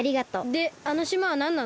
であのしまはなんなの？